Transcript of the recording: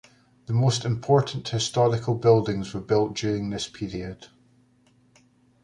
The most important historical buildings were built during this period.